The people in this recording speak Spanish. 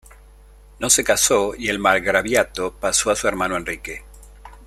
No se casó y el margraviato pasó a su hermano Enrique.